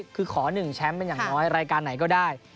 คือขอ๑แชมป์เป็นอย่างน้อยรายการไหนก็ได้